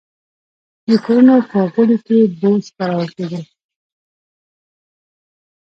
د کورونو په غولي کې بوس کارول کېدل.